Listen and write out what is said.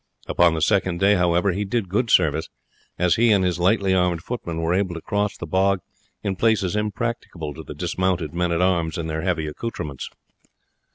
Upon the second day, however, he did good service, as he and his lightly armed footmen were able to cross the bog in places impracticable to the dismounted men at arms in their heavy accoutrements.